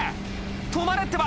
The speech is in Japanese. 止まれってば！」